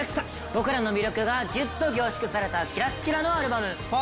「僕らの魅力がギュッと凝縮されたキラッキラのアルバム」「『１ｓｔＬｏｖｅ』